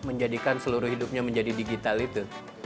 menjadikan seluruh hidupnya menjadi digital itu